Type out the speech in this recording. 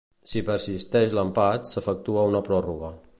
Si persisteix l'empat, s'efectua una pròrroga.